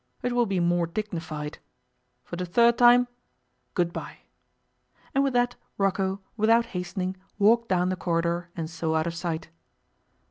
It will be more dignified. For the third time, good bye.' And with that Rocco, without hastening, walked down the corridor and so out of sight.